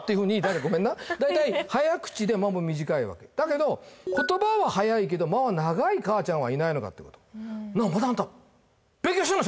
ごめんな大体早口で間も短いわけだけど言葉は速いけど間は長い母ちゃんはいないのかってこと奈央またあんた勉強してるの！？